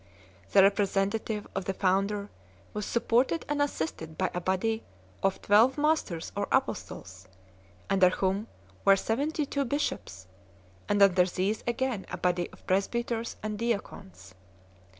The representative of the founder was supported and assisted by a body of twelve Masters or Apostles, .under whom were seventy two bishops, and under these again a body of presbyters and deacons.